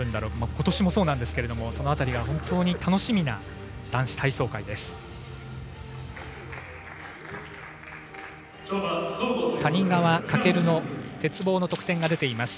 今年もそうなんですがその辺りは本当に楽しみそうな男子体操界です。